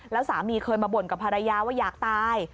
แล้วสามีเคยมาบ่นกับภรรยาว่าอยากตาย